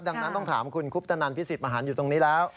ดังนั้นต้องถามคุณคุปตนันพิสิทธิมหันอยู่ตรงนี้แล้ว